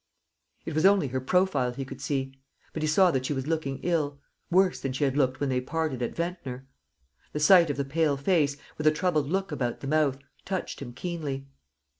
It was only her profile he could see; but he saw that she was looking ill, worse than she had looked when they parted at Ventnor. The sight of the pale face, with a troubled look about the mouth, touched him keenly.